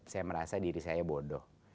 saya merasa diri saya bodoh